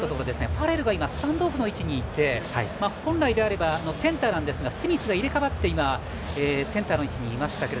ファレルがスタンドオフの位置にいて本来であればセンターなんですがスミスが入れ替わってセンターの位置にいましたが。